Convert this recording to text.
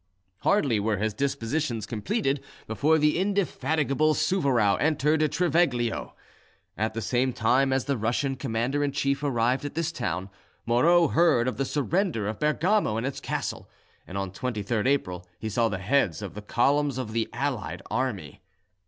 Hardly were his dispositions completed before the indefatigable Souvarow entered Triveglio. At the same time as the Russian commander in chief arrived at this last town, Moreau heard of the surrender of Bergamo and its castle, and on 23rd April he saw the heads of the columns of the allied army.